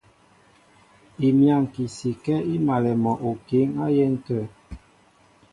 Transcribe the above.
Imyáŋki sikɛ́ í malɛ mɔ okǐ á yɛ́n tə̂.